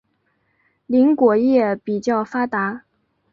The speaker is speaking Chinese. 林果业比较发达。